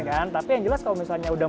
kan tapi yang jelas kalau misalnya udah